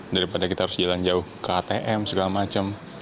daripada kita harus jalan jauh ke atm segala macam